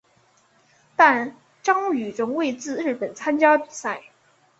但张栩仍会至日本参加比赛。